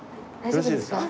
よろしいですか？